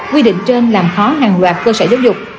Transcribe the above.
quy định trên làm khó hàng loạt cơ sở giáo dục